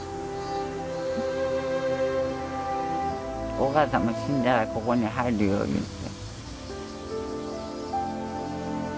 お母さんも死んだらここに入るよいうて。